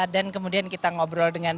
dan kemudian kita ngobrol dengan